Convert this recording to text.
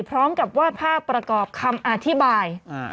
พร้อมกับวาดภาพประกอบคำอธิบาย